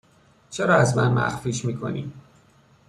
چرا از من مخفیش می کنی؟